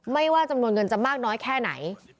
ว่าจำนวนเงินจะมากน้อยแค่ไหน